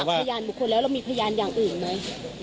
พยานบุคคลแล้วเรามีพยานอย่างอื่นไหม